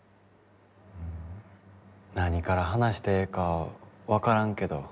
何から話してええか分からんけど。